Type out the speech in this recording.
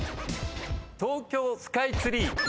東京スカイツリー。